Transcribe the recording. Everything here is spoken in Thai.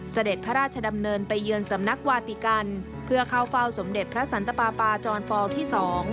เสด็จพระราชดำเนินไปเยือนสำนักวาติกันเพื่อเข้าเฝ้าสมเด็จพระสันตปาปาจรฟอลที่๒